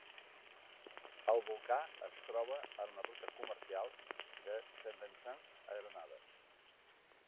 El volcà es troba en la ruta comercial de Saint Vincent a Grenada.